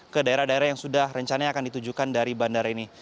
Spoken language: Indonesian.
ke daerah daerah yang sudah rencananya akan ditujukan dari bandara ini